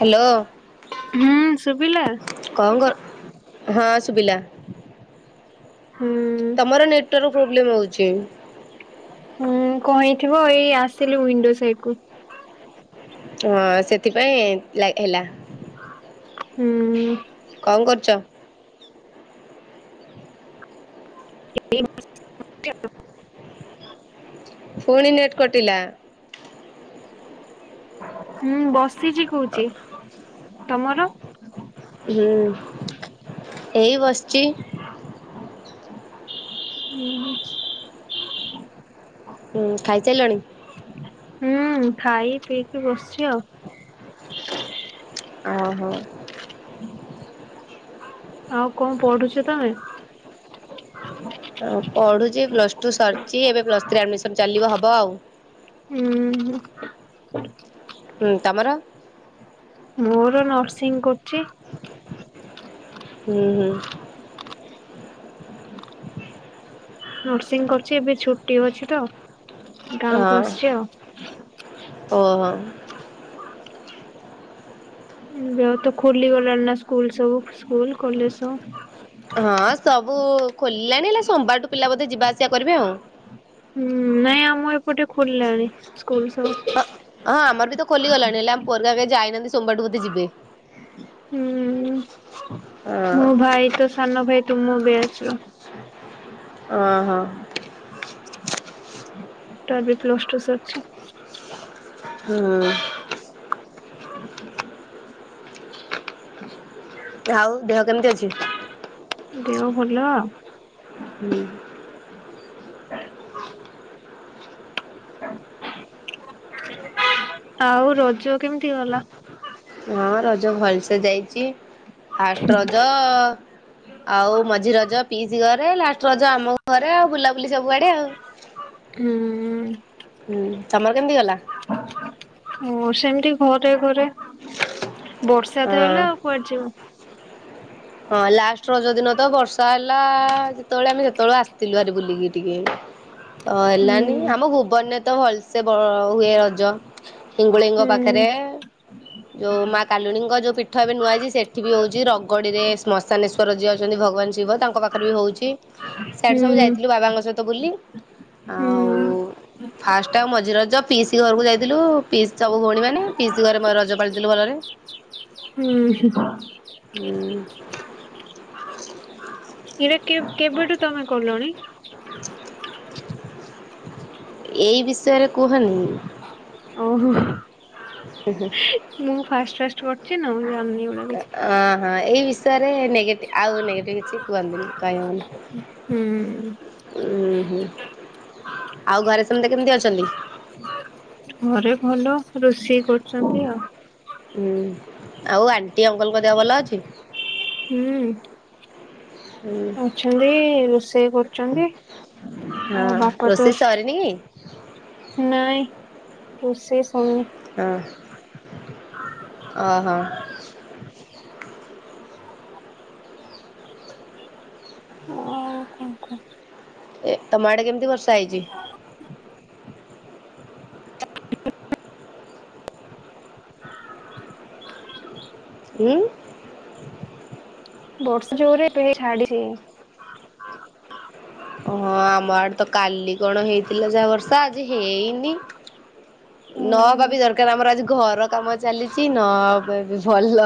Hello, ହୁଁ ଶୁଭିଲା? କଣ କର ହଁ ସୁବିଲା। ହୁଁ ତମର ନେଟୱାର୍କ ପ୍ରୋବ୍ଲେମ ହଉଛି। ହଁ କଣହେଇଥିବ ଏଇ ଆସିଲି ଓଇଣ୍ଡୋସାଇଡ୍ କୁୁ। ହଁ ସେଥିପାଇଁ ଲା ହେଲା। ହୁଁ କଣ କରୁଛ? ଏ [inaudible] ଫୁଣି ନେଟ କଟିଲା। ହୁଁ ବସ ହୁଁ ଏଇ ବସିଛି, ହୁଁ [inaudible] ହୁଁ ଖାଇ ସାରିଲଣି। ହୁଁ ଖାଇ ପିଇକି ବସିଛି ଆଉ, ଓ ହୋ, ଆଉ କଣ ପଢୁଛ ତମେ? ହଁ ପଢୁଛି ପ୍ଲସ୍ ଟୁ ସରିଛି ଏବେ ପ୍ଲସ୍ ଥ୍ରୀ ଆଡମିସନ ଚାଲିବ ହବ ଆଉ। ହୁଁ ହୁଁ ତମର। ମୋର ନର୍ସିଂ କରୁଛି। ହୁଁ ହୁଁ [inaudible] ନର୍ସିଂ କରୁଛି ଏବେ ଛୁଟି ଅଛି ତ। ଗାଁକୁ ହଁ ଆସିଛି ଆଉ। ଓହୋ, ବ [inaudible] ତ ଖୋଲିଗଲାଣି ନା ସ୍କୁଲ ସବୁ। ସ୍କୁଲ କଲେଜ ସବୁ। ହଁ ସବୁ ଖୋଲିଲାଣି ହେଲେ ସୋମବାରଠୁ ପିଲା ବୋଧେ ଯିବା ଆସିବା କରିବେ ଆଉ। ହୁଁ ନାଇଁ ଆମ ଏପଟେ ଖୋଲିଲାଣି ସ୍କୁଲ ସବୁ। ହଁ ଆମର ବି ତ ଖୋଲିଗଲାଣି ହେଲେ ଆମ ଆେ [inaudible] ଯାଇ ନାହାନ୍ତି ସୋମବାରଠୁ ବୋଧେ ଯିବେ। ହୁଁ ହଁ ମୁଁ ଭାଇ ତ ସାନ ଭାଇ ତୁମ ବ୍ୟାଚର। ଓ ହୋ। ଟ ବି ପ୍ଲସ ଟୁ ସଛି ହୁଁ ଆଉ ଦେହ କେମିତି ଅଛି? ଦେହ ଭଲ। ହୁଁ। ଆଉ ରଜ କେମିତି ଗଲା? ହଁ ରଜ ଭଲସେ ଯାଇଛି। ଫାଷ୍ଟ ରଜ ଆଉ ମଝି ରଜ ପିସ୍ ଗର ଲାଷ୍ଟରଜ ଆମ ଘରେ ଆଉ ବୁଲାବୁଲି ସବୁଆଡେ ଆଉ ହୁଁ ହୁଁ। ତମର କେମିତି ଗଲା? ଓ ସେମିତି ଘରେ ଘରେ ହଁ ବର୍ଷାତ ହେଲେ ଆଉ କୁଆଡେ ଯିବ। ହଁ ଲାଷ୍ଟ ରଜ ଦିନ ତ ବର୍ଷା ହେଲା। ଯେତେବେଳେ ଆମେ ସେତେବେଳଳେ ଆସିଥିଲୁ ଆରେ ବୁଲିକି ଟିକେ ତ ହେଲାନି ହୁଁ ଆମ ଭୁବନରେ ତ ଭଲସେ ହୁଏ ରଜ ହିଙ୍ଗୁଳିଙ୍କ ହୁଁ ପାଖରେ। ଯୋଉ ମା କାଲୁଣୀଙ୍କ ଯୋଉ ପି ଥା ଭବେ ନୁଆଯାଇ ସେ ଏଠ ବି ହେଉଛି ରଗଡ଼ିରେ ଶ୍ମଶାନେଶ୍ୱର ଯିଏ ଅଛନ୍ତି ଭଗବାନ ଶିବ ତାଙ୍କ ପାଖରେ ବି ହେଉଛି। ସେଠ ସବୁ ହୁଁ ଯାଇଥିଲୁ ବାବାଙ୍କ ସହିତ ବୁଲି। ଆଉ ହୁଁ। ଫାଷ୍ଟ ଟ ମଝିରେ ରଜ ପିସି ଘରକୁ ଯାଇଥିଲୁ। ପିସି ସବୁ ଭଉଣୀ ମାନେ ପିସି ଘରେ ରଜ ପାଳିଥିଲୁ ଭଲରେ। ଉଁ ହୁଁ। [inaudible] ଏଇଟା କେ କେବେଠୁ ତମେ କଲଣି [inaudible] ଏଇ ବିଷୟରେ କୁହନି। ଓହୋ ମୁଁ ଫାଷ୍ଟ ଫାଷ୍ଟ କରୁଛି ନା ଜାଣିନି ଏଗୁଡା କିଛି। ହଁ। ହଁ ଏଇ ବିଷୟରେ ଆଉ କିଛି କୁହନ୍ତିନି କହି ହନି ହୁଁ ଉ ହୁଁ। ଆଉ ଘରେ ସେମିତି କେମିତି ଅଛନ୍ତି? ଘରେ ଭଲ ରୋଷେଇ କରୁଛନ୍ତି ଆଉ। ହୁଁ ଆଉ ଆଣି ଟି ଅଙ୍କଲଙ୍କ ଦେହ ଭଲ ଅଛି? ହୁଁ। ହୁଁ ଅଛନ୍ତି। ରୋଷେଇ କରୁଚନ୍ତି। ହଁ ଆଉ ବାପା ତ ରୋଷେଇ ସରିନି କି? ନାଇଁ ରୋଷେଇ ଶରନି। ଓ ହୋ। ଆଉ କଣ କୁହ? ଏ ତମ ଆଡେ କେମିତି? କେତେ ବର୍ଷା ହେଇଛି? [unintelligible] [inaudible] ଉଁ। ବର୍ଷା ଜୋରେ ଏବେ ହେଇ ଛାଡିଚି। ଓହୋ ଆମ ଆଡେ ତ କାଲି କଣ ହେଇଥିଲା ଯାହା ବର୍ଷା ଆଜି ହେଇନି ନହବା ହୁଁ ବି ଦରକାର ଆମର ଆଜି ଘର କାମ ଚାଲିଚି ନବା ବି ଭଲ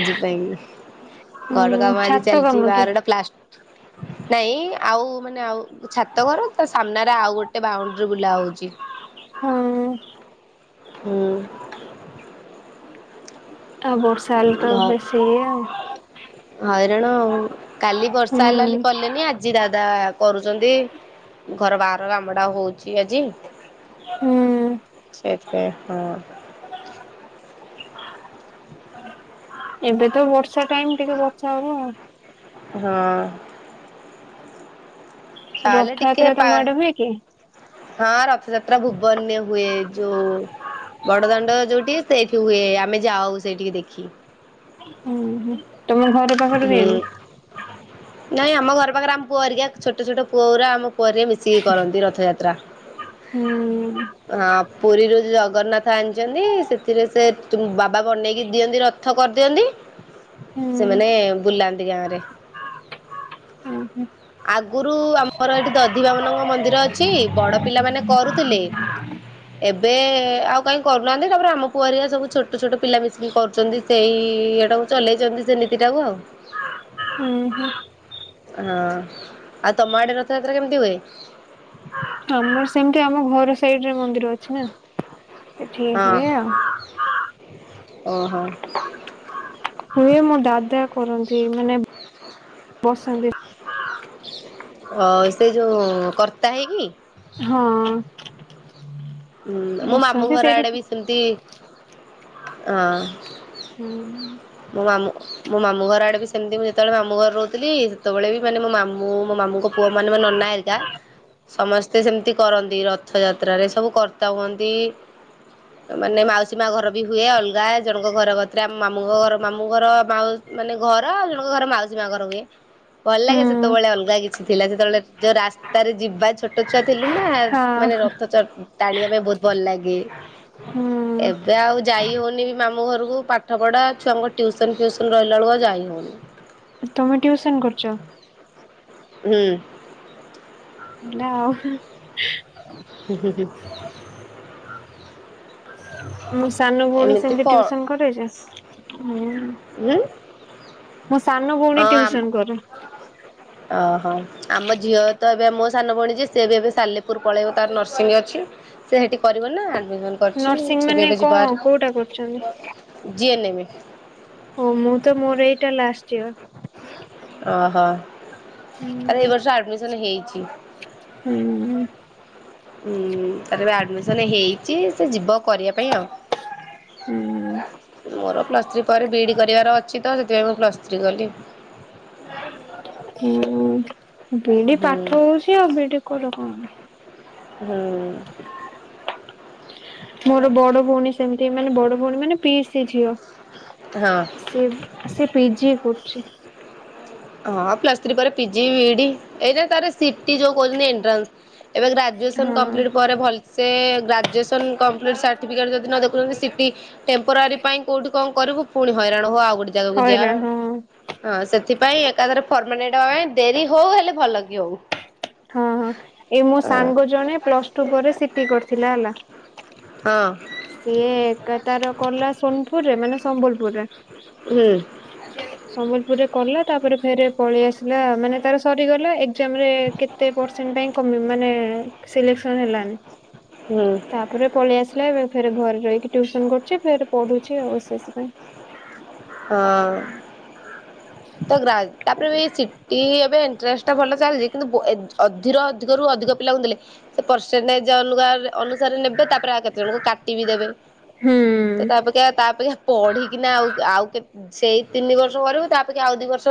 ଆଜି ପାଇଁ ହୁଁ ଘର କାମ ଆଜି ଛାତ ଚାଲିଚି କାମ କି ବାହାରଟା ପ୍ଲାଷ୍ଟ [inaudible] ନାଇଁ ଆଉ ମାନେ ଆଉ ଛାତଘର ତା ସାମ୍ନାରେ ଆଉ ଗୋଟେ ବାଉଣ୍ଡିରି ବୁଲା ହୋଉଚି। ହଁ। ଉଁ। ଆଉ ବର୍ଷା ହେଲେ ତ ଘ ବେଶୀ ଇଏ ଆଉ। ହଇରାଣ ଆଉ କାଲି ବର୍ଷା ହୁଁ ହେଲା ବୋଲି କଲେନି ଆଜି ଦାଦା କରୁଚିନ୍ତି ଘର ବାହାର କାମଟା ହୋଉଚି ଆଜି। ହୁଁ ସେଥିପାଇଁ ହଁ। ଏବେ ତ ବର୍ଷା ଟାଇମ ଟିକେ ବର୍ଷା ହବ ଆଉ। ହଁ। ଚାଲେ ଟିକେ ରଥଯାତ୍ରା ପା ତମ ଆଡେ ହୁଏ କି? ହଁ ରଥଯାତ୍ରା ଭୁବନରେ ହୁଏ ଯୋଉ ବଡଦାଣ୍ଡ ଯୋଉଠି ସେଇଠି ହୁଏ ଆମେ ଯାଉ ସେଇଠିକି ଦେଖି। ଉଁ ହୁଁ। ତମ ଘର ପାଖରେ ହୁଁ। ହୁଏନି? ନାଇଁ ଆମ ଘର ପାଖରେ ଆମ ପୁଅ ହେରିକା ଛୋଟ ଛୋଟ ପୁଅଓର ଆ ପରେ ମିଶିକି କରନ୍ତି ରଥଯାତ୍ରା ହୁଁ ହଁ ପୁରୀରୁ ଜଗନ୍ନାଥ ଆଣିଚିନ୍ତି ସେଥୁରୁ ସେ ବା ପା ବନେଇକି ଦିଅନ୍ତି ର ଥ କରିଦିଅନ୍ତି। ହୁଁ ହୁଁ ସେମାନେ ବୁଲାନ୍ତି ଗାଁରେ ହୁଁ ଆଗରୁ ଆମର ଏଠି ଦଧିବାବନଙ୍କ ମନ୍ଦିର ଅଛି ବଡ ପିଲାମାନେ କରୁଥିଲେ ଏବେ ଆଉ କାଇଁ କରୁନାହାନ୍ତି ତାପରେ ଆମ ପୁଅହେରିକା ସବୁ ଛୋଟ ଛୋଟ ପିଲା ମିଶିକି କରୁଚନ୍ତି ସେଇ ଇଏଟାକୁ ଚଲେଇଚନ୍ତି ସେ ସେଟାକୁ ଆ ହୁଁ ହୁଁ। ହଁ ଆଉ ତମ ଆଡେ ରଥଯାତ୍ରା କେମିତି ହୁଏ? ଆମର ସେମିତି ଆମ ଘର ସାଇଟ୍ ମନ୍ଦିର ଅଛି ନା ସେଠି ହଁ ହୁଏ ଆ ଓହୋ। ହୁଏ ମୋ ଦାଦା କରନ୍ତି ମାନେ ବସନ୍ତି। ର୍ତ୍ତା ହେଉକି ହଁ। ହୁଁ ମୋ ମାମୁ ବସନ୍ତି ଘର ସେଇଠି ଆଡେବି ସେମତି ହଁ ହୁଁ ମୋ ମାମୁଁ ମୋ ମାମୁଁ ଘର ଆଡ଼େ ବି ସେମିତି ମୁଁ ଯେତେବେଳେ ମାମୁଁ ଘରେ ରହୁଥିଲି ସେତେବେଳେ ବି ମାନେ ମୋ ମାମୁଁ ମୋ ମାମୁଁଙ୍କ ପୁଅ ମାନେ ମାନେ ନନା ହରିକା ସମସ୍ତେ ସେମିତି କରନ୍ତି ରଥଯାତ୍ରାରେ ସବୁ କର। ତା ହୁଅନ୍ତି ମାନେ ମାଉସୀ ମା ଘର ବି ହୁଏ ଅଲଗା ଜଣଙ୍କ ଘର କତୀରେ ଆମ ମାମୁ ଙ୍କ ଘର ଜଣଙ୍କ ଘର ମାଉସୀ ମା ଘର ହୁଏ। ଭଲ ଲାଗେ ହୁଁ ସେତେବେଳେ ଅଲଗା କିଛି ଥିଲା। ସେତେବେଳେ ଯୋଉ ରାସ୍ତତାରେ ଯିବା ଛୋଟ ଛୁଆ। ଥିଲୁ ନା ମାନେ ହଁ ରକ୍ତଚପ ଆଣିବା ପାଇଁ ବହୁତ ଭଲ ଲାଗେ ହୁଁ ଏବେ ଆଉ ଯାଇ ହଉନି। ମାମୁ ଘରକୁ ପାଠ ପଢ଼ା ଛୁଆଙ୍କ ଟ୍ୟୁସନ୍ ଫିଉସନ୍ ରହିଲା ବେଳକୁ ଯାଇ ହେଉନି। ତମେ ଟିଉସନ କରୁଛ। ହୁଁ। ହେଲ ଆଉ ହୁଁ ହୁଁ ହୁଁ- ମୁଁ ସାନ ଭଉଣୀ ସେମିତି ପ ଟିଉସନ କରେ ଯେ ହୁଁ ସାନ ଭଉଣୀ ହଁ ଟ୍ୟୁସନ୍ କରେ। ଓହୋ ଆମ ଝିଅ ତ ଏବେ ମୋ ସାନ ଭଉଣୀ ଯେ ସିଏ ବି ଏବେ ସାଲେପୁର ପଳେଇବ ତାର ନର୍ସିଂ ଅଛି ସେ ସେଠି କରିବ ନା ଆଡମିସନ କରିଛି ନର୍ସିଂ ସେ ବି ମାନେ ଏବେ ଯିବ କଣ ହାରି କୋଉଟା କରୁଛନ୍ତି। ହ। ଓ ମୁଁ ତ ମୋର ଏଇଟା ଲାଷ୍ଟ। ଇୟର ଓହୋ ତାର ଏ ବର୍ଷ ଆଡମିସନ ହେଇ। ଜି ହୁଁ। ହୁଁ ତାର ଏବେ ଆଡମିସନ ହେଇ ଯିଏ ସେ ଜୀବ କରିବା ପାଇଁ ହୁଁ ଆଉ ମୋର ପ୍ଲସ୍ ଥ୍ରୀ ପରେ ବିଇଡି କରିବାର ଅଛି ତ। ଯେ ମୁଁ ପ୍ଲାଷ ସ୍ତ୍ରୀ କଲି। ହଁ ବିଡି ହୁଁ ପାଠ ହଉଛି ଆଉ ବିଡି କର କଣ? ହୁଁ। ମୋର ବଡ ଭଉଣୀ ସେମିତି ମାନେ ବଡ ଭଉଣୀ ମାନେ ପିଇସି ସେ ହଁ। ଝିଅ ସେ ସେ ପିଜି କରୁଛି। ହଁ ପଲସ୍ ଥ୍ରୀ ପରେ ପିଜି ବିଇଡି ଏଇନା ତାର ସି ଟି ଯଉ କହୁଛନ୍ତି ଏଣ୍ଟ୍ରାନ୍ସ ଏବେ ଗ୍ରାଜୁଏସନ୍ ହଁ କମ୍ପ୍ଲିଟ ପରେ ଭଲସେ ଏ ଗ୍ରା ଗ୍ରାଜୁଏସନ୍ କମ୍ପ୍ଲିଟ୍ ସାର୍ଟିଫିକେଟ୍ ଯଦି ନ ଦେଖୁଛନ୍ତି ସିଟି ଟେମ୍ପୋରାରୀ ପାଇଁ କୋଉଠି କଣ କରିବୁ ପୁଣି ହଇରାଣ ହ ଆଉ ଯାଗାକୁ ଯା ହଇରାଣ ହଁ ସେଥିପାଇଁ ଭାଇ ଏକାଥରେ ଫ ମାନେ ଏ ଟାଏ ଏଁ ଡେରି ହଉ ହେଲେ ଭଲ କି ହଉ। ହଁ ହଁ ଏଇ ମୋ ସାଙ୍ଗ ଜଣେ ପ୍ଲସ ଟୁ ପରେ ସିଟି କରିଥିଲା ହେଲା ହଁ ସିଏ ଏକା ତାର କଲା ସୋନପୁରରେ ମାନେ ସମ୍ବଲପୁରରେ। ହୁଁ ସମ୍ବଲପୁରରେ କଲା ତାପରେ ଫେରେ ପଳେଇ ଆସିଲା ମାନେ ତାର ସରିଗଲା ଏକ୍ଜାମ ରେ କେତେ ପରସେଣ୍ଟ ପାଇଁ କମି ମାନେ ଏ ସିଲେକ୍ସନ ହେଲାନି। ହୁଁ ତାପରେ ପଳେଇ ଆସିଲା ଏବେ ଫରେ ଘରେ ରହିକି ଟୁସନ କରୁଛି ଫରେ ପଢୁଛି ଆବଶେଷ ପାଇଁ ହଁ ତ ଗା ତାପରେ ବି ସିଟି ଏବେ [unintelligible] ଟେଷ୍ଟ ଭଲ ଚାଲିଛି କିନ୍ତୁଏବଂ ଅଧୀର ଅଧୀର ଅ ଅଧରୁ ଅଧିକ ପିଲା ଦେଲେ ସେଇ ପେରସେଣ୍ଟ ନୂଆ ଅନୁସାରେ ନେବେ ତାପରେ ଆଉ କେତେ ଜଣଙ୍କୁ କାଟି ବିି ଦେବେ ହୁଁ ତ ତାପକ୍ଷେତାଆପେଖା ଆଉ ତାପକ୍ଷେ ପଢିକିନା ଆଉ ଆଉ ସେଇ ତିନି ବର୍ଷ କରିବୁ ତାପଖେ ଆଉ ଦି ବର୍ଷ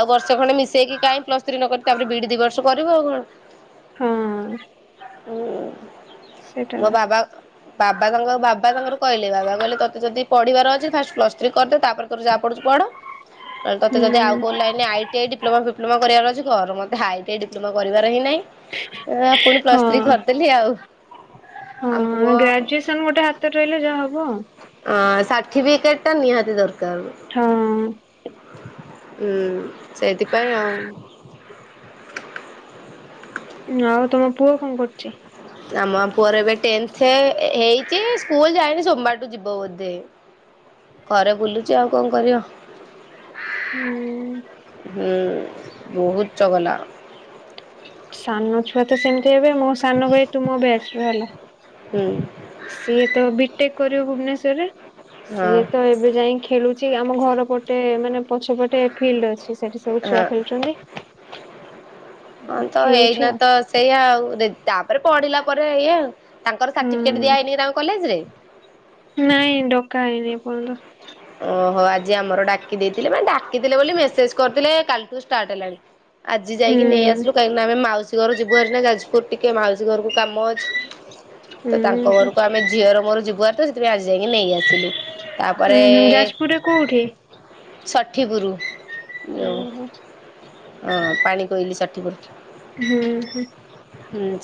ଆଉ ବର୍ଷ ଖଣ୍ଡେ ମିଶେଇକି କାଇହିଁ ପ୍ଲସ ଥ୍ରୀ ନ କରି ତାପରେ ବି ଦି ବର୍ଷ କରିବୁ ଆଉ କଣ ଁ ହଁ ସେଇଟା ମୋ ବାବା ବାବା ତାଙ୍କ ବାବା ତାଙ୍କର କହିଲେ ବାବା କହିଲେ ତୋତେ ଯଦି ପଢିବାର ଅଛି ଫାଷ୍ଟ ପ୍ଲସ୍ ଥ୍ରୀ କରିଦେ ତାପରେଯାହା ପଡୁଛୁ ପଢ଼ ତା ତେ ହୁଁ ଯଦ ଆଉ କୋଉ ଲାଇନ ଆ ଡି୍ୋମା ବିପ୍ଲୋମା କାରିବାର ଅଛି ତ କର ଘ ମତେ ହାଇ ଟାଇ ଡିପ୍ଲୋମା କରିବାରିଁହିଁ ଆ ପୁଣି ପ୍ଲସ୍ ହଁ। ଥ୍ରୀ କରିଦେଲେ ଆଉ ଆମ ହଁ ପୁଅ ଗ୍ରାଜୁଏସନ ଗୋଟେ ହାତରେ ରହିଲେ ଯାହା ହବ ଆଉ ଅ, ଅ [unintelligible] ଠିବିକ କେଟା ନିହାତି ଦର ହଁ ହୁଁ ସେଇଥିପାଇଁ ଆଉ ଆଉ ତମ ପୁଅ କଣ କରୁ ଆମ ପୁଅର ଏବେ ଟେନଥ ହେଇଛି ସ୍କୁଲ ଯାଇନି ସୋମବାର ଦିନ ଯିବ ବୋଧେ ଘରେ ବୁଲୁଚି ଆଉ କଣ କରିବ? ହୁଁ ହୁଁ। ବହୁତ ଚଗଲା। ସାନ ଛୁଆ ତ ସେମିତି। ହେବେ ମୋ ସାନ ଭାଇ ତୁମ ବିଆଚର ହେଲା। ହୁଁ। ସିଏ ତ ବିଟେକ୍ କରିବ ଭୁବନେଶ୍ୱରରେ। ହଁ ସିଏ ତ ଏବେ ଯାଇକି ଖେଳୁ ଆମ ଘର ପଟେ ମାନେ ପଛ ପଟେ ଫିଲ୍ଡି ଅଛି। ସେଠି ସବୁ ଛୁଆ ହଁ ଖେଳୁଛନ୍ତି ହ ତ ଖେଳୁଛି ଏଇନା ଆଉ ତ ସେଇଆ ଆଉ ତାପ ଉପରେ ପଢିଲା ପରେ ଇଏ ଆଉ ତାଙ୍କର ସାର୍ଟିଫିକେଟ୍ ଦିଆ ହଁ ହେଇନି ତାଙ୍କ କଲେଜରେ। ନାଇଁ ଡକା ହେଇନି ଏପର୍ଯ୍ୟନ୍ତ। ଓହୋ ଆ ଆଜି ଆମର ଡାକି ଦେଇଥିଲେ ମାନେ ଡାକିଥିଲେ ବୋଲି ମେସେଜ କରିଥିଲେ। କଲଠୁ ଷ୍ଟାର୍ଟ ହେଲାଣି। ଆଜି ହୁଁ ଯାଇକି ନେଇ ଆସିଲୁ କାହିଁକିନା ଆମେ ମାଉସୀ ଘର ଯିବୁ ହାର ନା ଯାଜପୁର ଟିକେ ମାଉସୀ ଘରକୁ କାମ ଅଛି। ତ ହୁଁ ତାଙ୍କ ହୁଁ ଘରକୁ ଆମେ ଝିଅର ମୋର ଯିବୁ ହାରି ତ ସେଥିପାଇଁ ଆଜି ଯାଇକି ନେଇ ଆସିଲୁ ତାପରେ ଉଁ ହୁଁ ଯାଜପୁରରେ କୋଉଠି? ଷଠି ପୁରୁ। ଓହୋ। ହଁ ପାଣି କୋଇଲି ଷଠି ପୁରୁ। ହୁଁ ହୁଁ।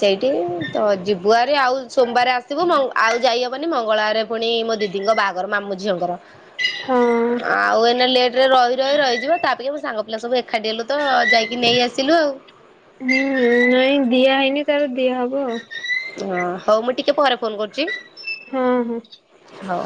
ସେଇଠି ତ ଯିବୁ ହାରି ଆଉ ସୋମବାର ଆସିବୁ ଆଉ ଯାଇହବନି ମଙ୍ଗଳବରେ ପୁଣି ମୋ ଦିଦିଙ୍କ ବାହାଘର ମାମୁଁ ଝିଅଙ୍କର। ହଁ। ଆଉ ଏଇନା ଲେଟରେ ରହି ରହି ରହିଯିବ ତା ଅପେକ୍ଷା ମୋ ସାଙ୍ଗ ପିଲା ସବୁ ଏକାଠି ହେଲୁ ତ ଯାଇକି ନେଇ ଆସିଲୁ ଆଉ। ହୁଁ ନାଇଁ ଦିଆ ହେଇନି ତାର ଦିଆ ହବ ଆଉ। ହଁ ହଉ ମୁଁ ଟିକେ ପରେ ଫୋନ କରୁଛି। ହୁଁ ହୁଁ। ହଉ।